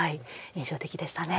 印象的でしたね。